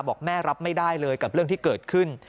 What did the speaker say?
บอกแม่รับไม่ได้เลยกับเรื่องที่เกิดขึ้น